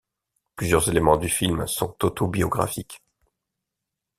Plusieurs éléments du film sont autobiographiques.